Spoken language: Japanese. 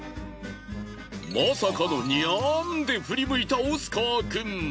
まさかのにゃーんで振り向いたオスカーくん。